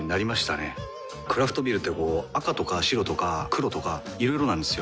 クラフトビールってこう赤とか白とか黒とかいろいろなんですよ。